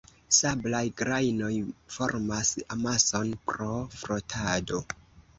Sablaj grajnoj formas amason pro frotado.